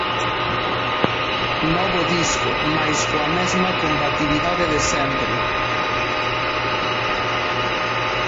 Novo disco mais coa mesma combatividade de sempre.